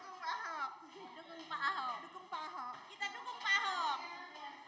dukung pak ahok